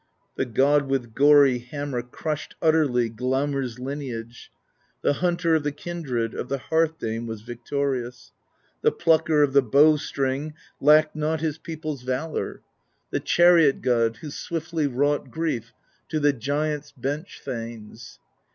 The God with gory hammer Crushed utterly Glaumr's lineage; The Hunter of the Kindred Of the hearth dame was victorious; The Plucker of the Bow String Lacked not his people's valor, — THE POESY OF SKALDS 129 The Chariot God, who swiftly Wrought grief to the Giant's bench thanes.